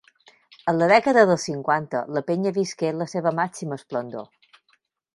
En la dècada dels cinquanta, la penya visqué la seva màxima esplendor.